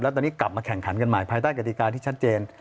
แล้วตอนนี้กลับมาแข่งขันกันใหม่ภายใต้กฎิกาที่ชัดเจน